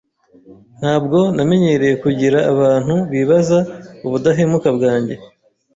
Ntabwo namenyereye kugira abantu bibaza ubudahemuka bwanjye.